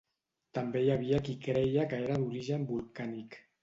També hi havia qui creia que era d'origen volcànic.